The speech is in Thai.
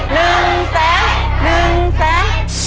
นึงแสงนึงแสง